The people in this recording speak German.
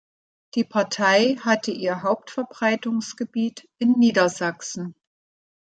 Die Partei hatte ihr Hauptverbreitungsgebiet in Niedersachsen.